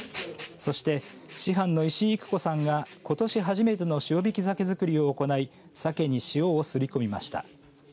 そして、師範の石井郁子さんが、ことし初めての塩引き鮭づくりを行いサケに塩をすりこみました。